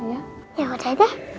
ya udah deh